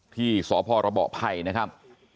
ที่ศพระบอไพรนะครับ